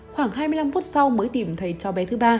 khoảng hai mươi năm phút sau mới tìm thấy cháu bé thứ ba